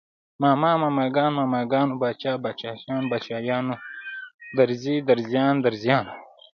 ماما، ماماګان، ماماګانو، باچا، باچايان، باچايانو، درزي، درزيان، درزیانو